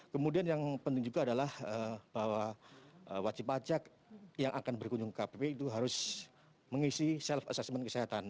kemudian yang penting juga adalah bahwa wajib pajak yang akan berkunjung ke kpp itu harus mengisi self assessment kesehatan